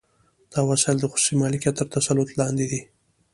دا وسایل د خصوصي مالکیت تر تسلط لاندې دي